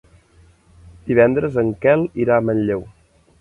Divendres en Quel irà a Manlleu.